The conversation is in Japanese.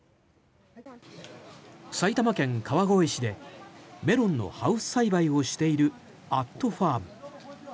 埼玉県川越市でメロンのハウス栽培をしている＠ＦＡＲＭ。